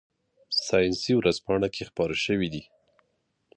ساینسي ورځپاڼه کې خپاره شوي دي.